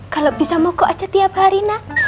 kalau bisa mokok aja tiap hari